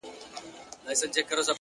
د شنو خالونو د ټومبلو کيسه ختمه نه ده;